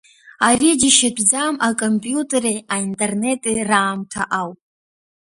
Ари џьашьатәӡам акомпиутари аинтернети раамҭа ауп.